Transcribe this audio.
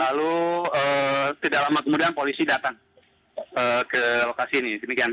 lalu tidak lama kemudian polisi datang ke lokasi ini